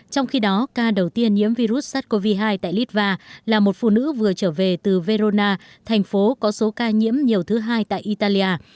trong khi đó ca đầu tiên nhiễm virus sars cov hai tại litva là một phụ nữ vừa trở về từ verona thành phố có số ca nhiễm nhiều thứ hai tại italia